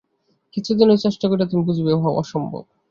কিছুদিন ঐ চেষ্টা করিয়া তুমি বুঝিবে, উহা অসম্ভব।